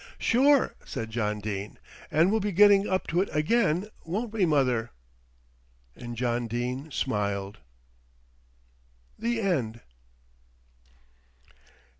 "Sure," said John Dene, "and we'll be getting up to it again, won't we, mother?" And John Dene smiled. THE END.